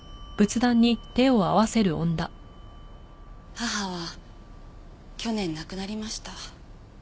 母は去年亡くなりました。